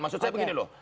maksud saya begini loh